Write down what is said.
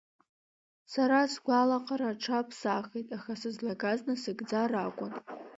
Сара сгәалаҟара аҽаԥсахит, аха сызлагаз насыгӡар акәын.